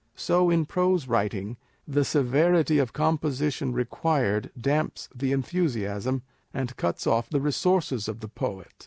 So in prose writing, the severity of composition required damps the enthusiasm, and cuts off the resources of the poet.